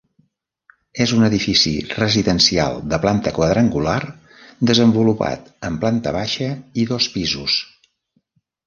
És un edifici residencial de planta quadrangular, desenvolupat en planta baixa i dos pisos.